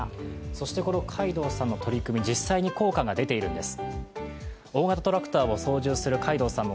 そしてこの海道さんの取り組み、実際に効果が出ているんです。